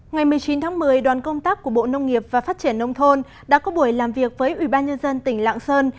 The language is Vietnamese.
ngày một mươi chín tháng một mươi đoàn công tác của bộ nông nghiệp và phát triển nông thôn đã có buổi làm việc với ubnd tỉnh lạng sơn